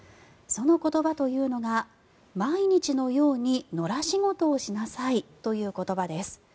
その言葉というのが毎日のように野良仕事をしなさいという言葉です。